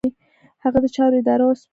هغه د چارو اداره به وسپاري.